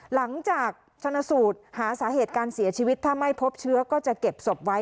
หลังจากชนสูตรหาสาเหตุการเสียชีวิตถ้าไม่พบเชื้อก็จะเก็บศพไว้